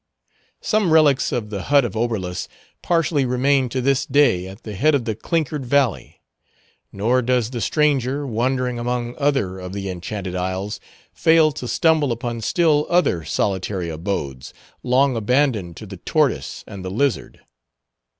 Some relics of the hut of Oberlus partially remain to this day at the head of the clinkered valley. Nor does the stranger, wandering among other of the Enchanted Isles, fail to stumble upon still other solitary abodes, long abandoned to the tortoise and the lizard.